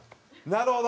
なるほど。